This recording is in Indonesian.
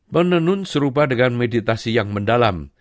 menenun serupa dengan meditasi yang mendalam